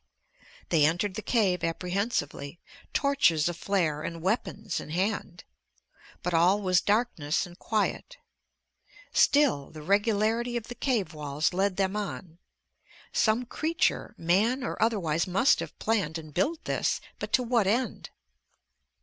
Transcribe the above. They entered the cave apprehensively, torches aflare and weapons in hand. But all was darkness and quiet. Still, the regularity of the cave walls led them on. Some creature, man or otherwise, must have planned and built this ... but to what end?